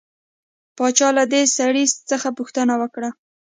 باچا له دې سړي څخه پوښتنه وکړه.